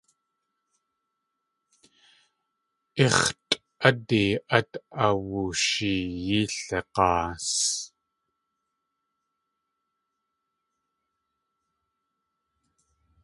Íx̲tʼ ádi át awusheeyí lig̲aas.